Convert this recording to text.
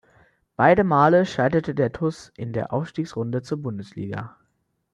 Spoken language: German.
Beide Male scheiterte der TuS in der Aufstiegsrunde zur Bundesliga.